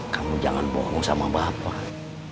kamu jangan bohong sama bapak